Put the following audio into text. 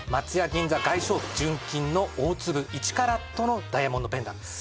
銀座外商部純金の大粒１カラットのダイヤモンドペンダントです。